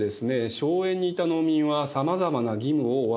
荘園にいた農民はさまざまな義務を負わされていました。